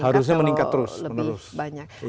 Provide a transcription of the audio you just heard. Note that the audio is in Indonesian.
harusnya bisa meningkat kalau lebih banyak